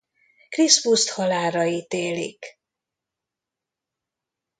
Crispust halálra ítélik.